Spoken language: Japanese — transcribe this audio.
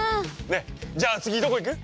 ねえじゃあ次どこ行く？